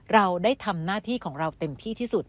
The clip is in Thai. เราได้ทำหน้าที่ของเราเต็มที่ที่สุด